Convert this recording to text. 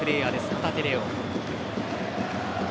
旗手怜央。